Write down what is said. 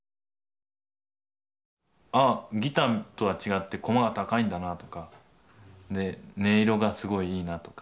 ああギターとは違って駒が高いんだなとかで音色がすごいいいなとか。